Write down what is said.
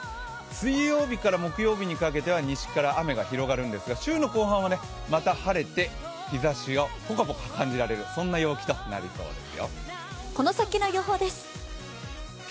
水曜日から木曜日にかけては西から雨が広がるんですが週の後半はまた晴れて日ざしがポカポカ感じられる陽気となりそうです。